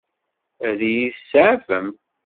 Ad iyi-tseɛfem?